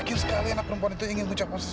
siapa yang menolongi mas